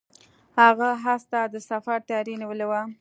هغه اس ته د سفر تیاری نیولی و.